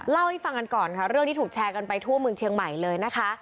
เล่าให้ฟังกันก่อนค่ะเรื่องที่ถูกแชร์กันไปทั่วเมืองเชียงใหม่เลยนะคะ